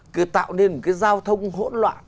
cứ tạo nên cái giao thông hỗn loạn